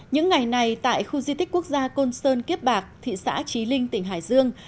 những ngày này tại khu di tích quốc gia côn sơn kiếp bạc thị xã trí linh tỉnh hải dương